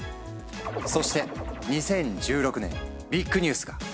そして２０１６年ビッグニュースが！